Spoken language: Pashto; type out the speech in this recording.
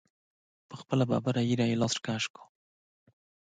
پر خپله ببره ږیره یې لاس را تېر کړ.